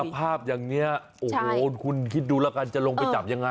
ภาพอย่างนี้โอ้โหคุณคิดดูแล้วกันจะลงไปจับยังไง